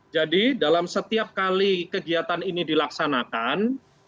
jadi dalam setiap kali kegiatan ini dilaksanakan